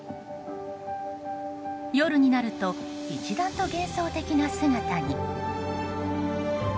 夜になると一段と幻想的な姿に。